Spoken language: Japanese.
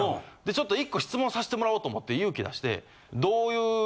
ちょっと１個質問させてもらおうと思って勇気出して。